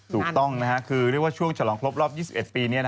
ถูกต้องคือช่วงฉลองครบรอบ๒๑ปีนี้